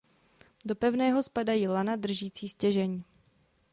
Do pevného spadají lana držící stěžeň.